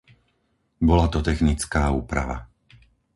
Bola to technická úprava.